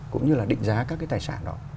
cũng như là định giá các cái tài sản đó